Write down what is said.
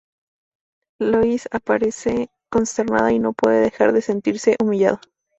Lois aparece consternada y no puede dejar de sentirse humillada.